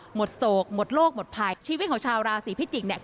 โศกหมดโลกหมดภัยชีวิตของชาวราศีพิจิกเนี่ย